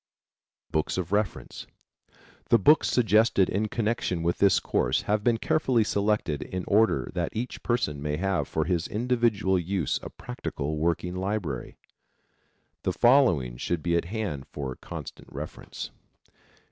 BOOKS OF REFERENCE. The books suggested in connection with this course have been carefully selected in order that each person may have for his individual use a practical working library. The following should be at hand for constant reference.